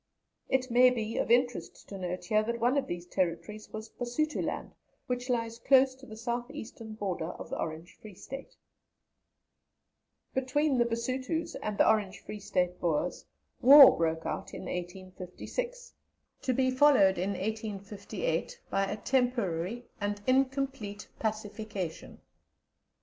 " It maybe of interest to note here that one of these territories was Basutoland, which lies close to the South Eastern border of the Orange Free State. Between the Basutos and the Orange Free State Boers war broke out in 1856, to be followed in 1858 by a temporary and incomplete pacification.